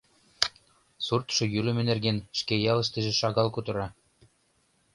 Суртшо йӱлымӧ нерген шке ялыштыже шагал кутыра.